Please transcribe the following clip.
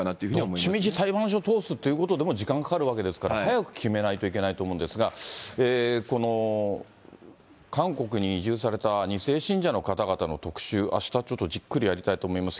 どっちみち裁判所通すということでも時間かかるわけですから、早く決めないといけないと思うんですが、この韓国に移住された２世信者の方々の特集、あしたちょっと、じっくりやりたいと思います。